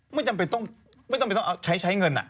ไม่จำเป็นต้องใช้เงิน